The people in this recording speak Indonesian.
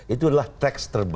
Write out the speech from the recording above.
itu adalah teks terbaiknya